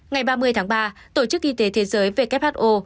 ngày ba mươi tháng ba tổ chức y tế thế giới who